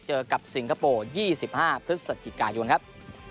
เจอกับสิงคโปร์ยี่สิบห้าพฤษจิกายนครับ